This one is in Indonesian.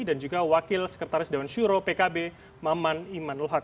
dan juga wakil sekretaris dewan syuro pkb maman iman luhak